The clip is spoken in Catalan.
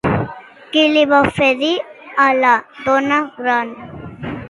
Què li va oferir a la dona gran?